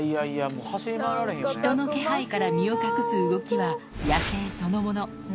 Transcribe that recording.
人の気配から身を隠す動きは野生そのもの。